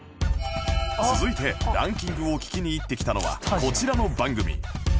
続いてランキングを聞きに行ってきたのはこちらの番組